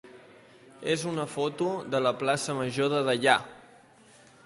és una foto de la plaça major de Deià.